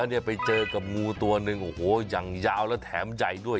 เนี่ยไปเจอกับงูตัวหนึ่งโอ้โหอย่างยาวแล้วแถมใหญ่ด้วย